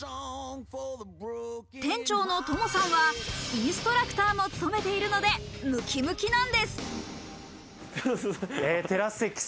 店長のＴＯＭＯさんはインストラクターも務めているのでムキムキなんです。